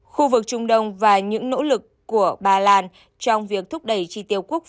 khu vực trung đông và những nỗ lực của ba lan trong việc thúc đẩy chi tiêu quốc gia